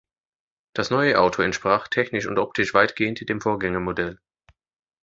Das neue Auto entsprach technisch und optisch weitgehend dem Vorgängermodell.